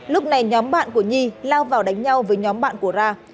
lúc này nhóm bạn của nhi lao vào đánh nhau với nhóm bạn của ra